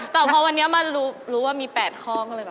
แต่วันนี้มารู้ว่ามี๘ข้อ